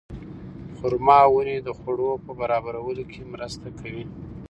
خورما ونې د خواړو په برابرولو کې مرسته کوي.